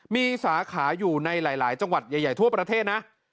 มีสาขาอยู่ในหลายจังหวัดใหญ่ทั่วประเทศนะ